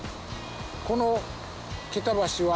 この桁橋は。